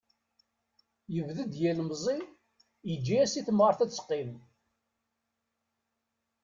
Yebded yilemẓi, yeǧǧa-as i temɣart ad teqqim